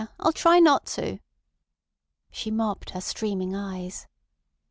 I'll try not to." She mopped her streaming eyes.